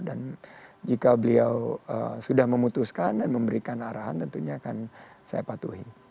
dan jika beliau sudah memutuskan dan memberikan arahan tentunya akan saya patuhi